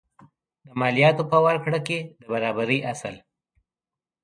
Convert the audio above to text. د مالیاتو په ورکړه کې د برابرۍ اصل.